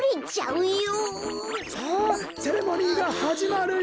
さあセレモニーがはじまるよ！